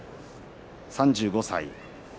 ３５歳。